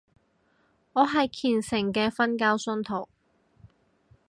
我係虔誠嘅瞓覺信徒